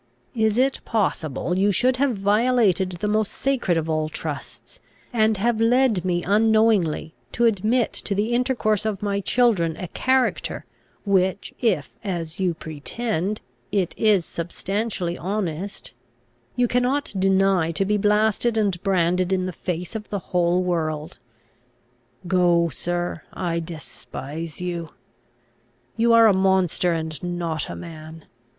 Is it possible you should have violated the most sacred of all trusts, and have led me unknowingly to admit to the intercourse of my children a character, which if, as you pretend, it is substantially honest, you cannot deny to be blasted and branded in the face of the whole world? Go, sir; I despise you. You are a monster and not a man.